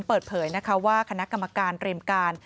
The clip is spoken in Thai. เปิดเผยนะคะว่าคณะกรรมการเตรียมการ